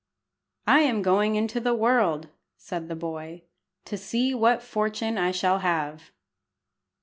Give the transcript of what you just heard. "I am going into the world," said the boy, "to see what fortune I shall have."